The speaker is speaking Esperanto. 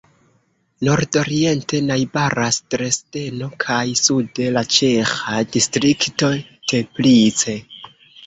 Nordoriente najbaras Dresdeno kaj sude la ĉeĥa distrikto Teplice.